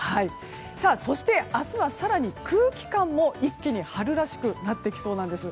そして、明日は更に空気感も一気に春らしくなってきそうなんです。